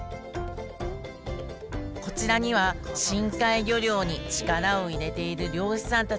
こちらには深海魚漁に力を入れている漁師さんたちがいるんです。